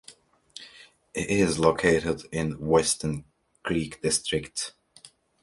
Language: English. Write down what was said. It is located in the Weston Creek district.